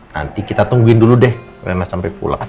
nanti kita tungguin dulu deh memang sampai pulang